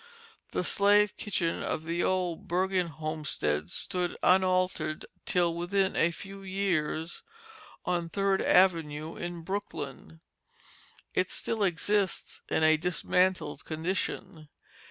The slave kitchen of the old Bergen homestead stood unaltered till within a few years on Third Avenue in Brooklyn. It still exists in a dismantled condition.